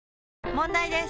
問題です！